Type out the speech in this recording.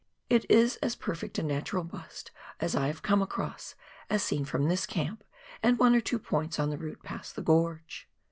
It is as perfect a natural bust as I have come across, as seen from this camp and one or two points on the route past the gorge.